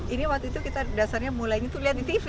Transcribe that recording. ini waktu itu kita dasarnya mulai ini tuh lihat di tv